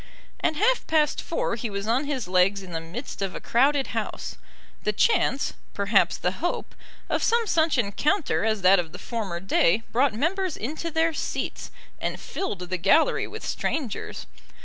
At half past four he was on his legs in the midst of a crowded House. The chance, perhaps the hope, of some such encounter as that of the former day, brought members into their seats, and filled the gallery with strangers.